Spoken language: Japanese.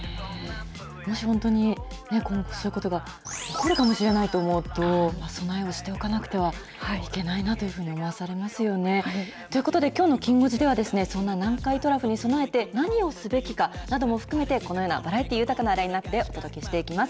もし本当にそういうことが起こるかもしれないと思うと、備えをしておかなくてはいけないなというふうに思わされますよね。ということできょうのきん５時では、そんな南海トラフに備えて、何をすべきかなども含めて、このようなバラエティー豊かなラインナップでお届けしていきます。